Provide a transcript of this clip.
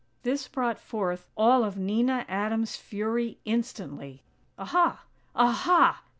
This brought forth all of Nina Adams' fury instantly. "_Aha! Aha!